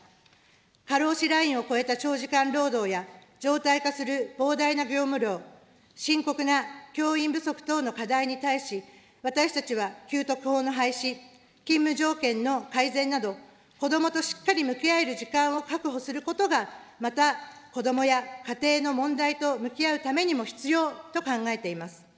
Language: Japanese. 過労死ラインを超えた長時間労働や、常態化する膨大な業務量、深刻な教員不足等の課題に対し、私たちは給特法の廃止、勤務条件の改善など、子どもとしっかり向き合える時間を確保することが、また子どもや家庭の問題と向き合うためにも必要と考えています。